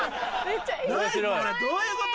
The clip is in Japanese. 何これどういうこと？